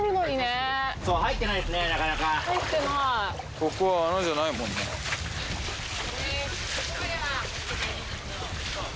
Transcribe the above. ここは穴じゃないもんな。